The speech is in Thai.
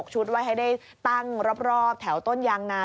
ชุดไว้ให้ได้ตั้งรอบแถวต้นยางนา